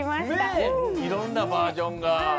ねえいろんなバージョンが。